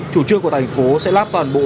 chủ trương của thành phố sẽ lát toàn bộ